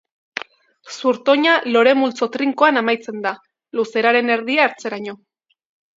Zurtoina lore multzo trinkoan amaitzen da, luzeraren erdia hartzeraino.